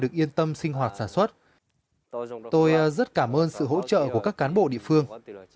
tôi yên tâm sinh hoạt sản xuất tôi rất cảm ơn sự hỗ trợ của các cán bộ địa phương